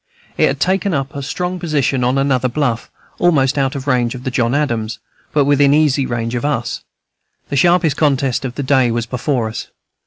It had taken up a strong position on another bluff, almost out of range of the John Adams, but within easy range of us. The sharpest contest of the day was before us.